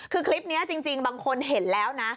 คือคลิปนี้จริงบางคนเห็นแล้วนะ